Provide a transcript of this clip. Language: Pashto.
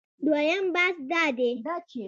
دویم بحث دا دی